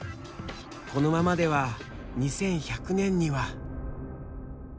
このままでは２１００年には。